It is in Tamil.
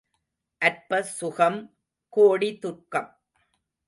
அற்ப சுகம், கோடி துக்கம்.